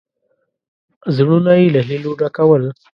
زړونه یې له هیلو ډکول.